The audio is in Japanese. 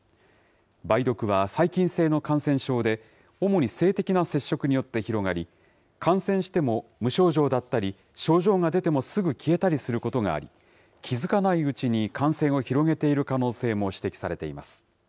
梅毒は細菌性の感染症で、主に性的な接触によって広がり、感染しても無症状だったり、症状が出てもすぐ消えたりすることがあり、気付かないうちに感染を広げている可能性も指摘されています。